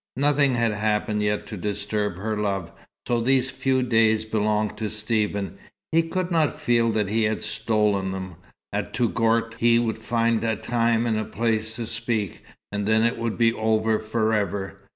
Nothing had happened yet to disturb her love, so these few days belonged to Stephen. He could not feel that he had stolen them. At Touggourt he would find a time and place to speak, and then it would be over forever.